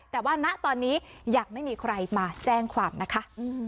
แต่ว่าณตอนนี้ยังไม่มีใครมาแจ้งความนะคะ